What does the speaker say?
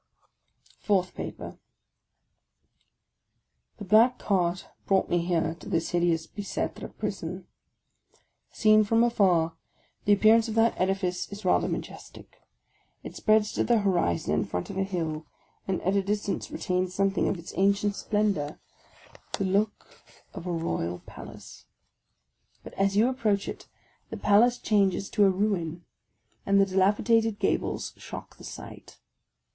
FOURTH PAPER black cart brought me here to this hideous Bicetre J. Prison. Seen from afar, the appearance of that edifice is rather majestic. It spreads to the horizon in front of a hill, and at a distance retains something of its ancient splendour, — the 46 THE LAST DAY look of a Royal Palace. But as you approach it, the Palace changes to a ruin, and the dilapidated gables shock the sight.